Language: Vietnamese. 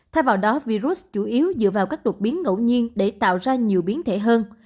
thay vào đó virus chủ yếu dựa vào các đột biến ngẫu nhiên để tạo ra nhiều biến thể hơn